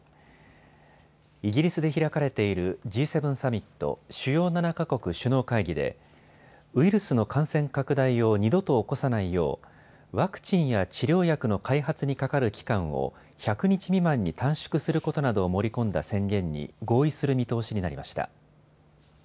イギリスで開かれているＧ７サミット・主要７か国首脳会議でウイルスの感染拡大を二度と起こさないようワクチンや治療薬の開発にかかる期間を１００日未満に短縮することなどを盛り込んだ宣言に合意する見通しになりました。